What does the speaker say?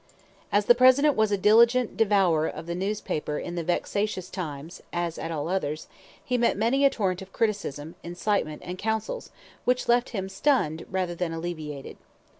As the President was a diligent devourer of the newspaper in the vexatious times (as at all others), he met many a torrent of criticism, incitement, and counsels which left him stunned rather than alleviated.